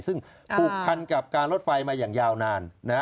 ซึ่งผูกพันกับการรถไฟมาอย่างยาวนาน